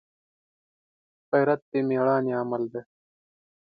غیرت د مړانې عمل دی